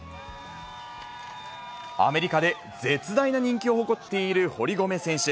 アメリカで絶大な人気を誇っている堀米選手。